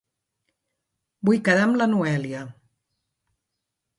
Vull quedar amb la Noèlia.